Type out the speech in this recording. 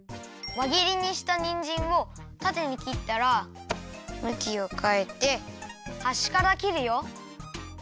わぎりにしたにんじんをたてに切ったらむきをかえてはしから切るよ。